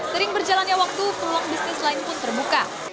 sering berjalannya waktu peluang bisnis lain pun terbuka